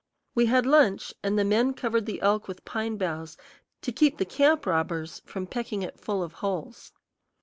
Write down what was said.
We had lunch, and the men covered the elk with pine boughs to keep the camp robbers from pecking it full of holes.